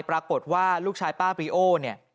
ปรากฏว่าลูกชายป้าบริโอเนี่ย